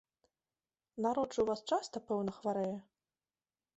Народ жа ў вас часта, пэўна, хварэе?